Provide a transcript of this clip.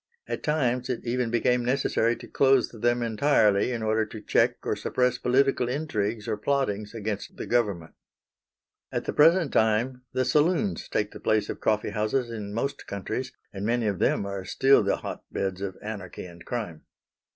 At times it even became necessary to close them entirely in order to check or suppress political intrigues or plottings against the government. At the present time the saloons take the place of coffee houses in most countries, and many of them are still the hotbeds of anarchy and crime.